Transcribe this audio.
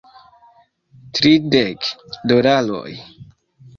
Tridek dolaroj